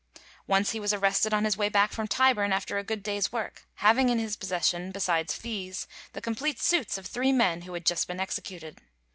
Once he was arrested on his way back from Tyburn after a good day's work, having in his possession, besides fees, the complete suits of three men who had just been executed.